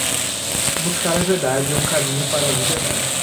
Buscar a verdade é um caminho para a liberdade.